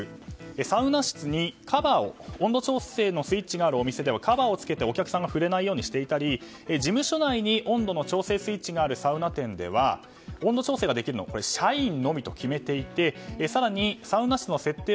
サウナ室に温度調整のスイッチがあるお店ではお客さんが触れないようにしていたり事務所内に温度の調整スイッチがあるサウナ店では温度調整ができるんおは社員のみと決めていて更に、サウナ室の設定